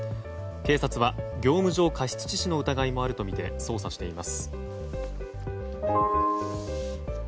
警察は業務上過失致死の疑いもあるとみて捜査しています。